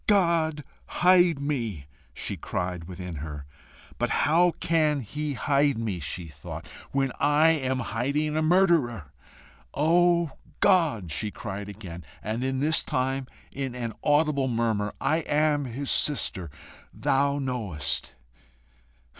"God hide me," she cried within her. "But how can he hide me," she thought, "when I am hiding a murderer?" "O God," she cried again, and this time in an audible murmur, "I am his sister, thou knowest!"